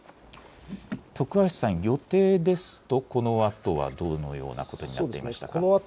徳橋さん、予定ですとこのあとはどのようなことになっていましたか。